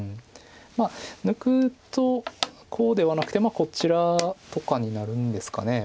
まあ抜くとこうではなくてこちらとかになるんですか。